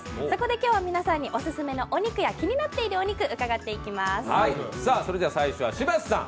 そこで今日は皆さんにオススメのお肉や気になっているお肉伺っていきます。